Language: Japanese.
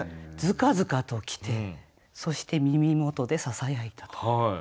づかづかと来てそして耳元でささやいたと。